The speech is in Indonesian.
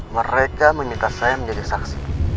mereka meminta saya menjadi saksi